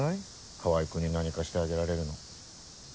川合君に何かしてあげられるの。